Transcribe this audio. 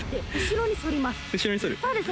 後ろに反る。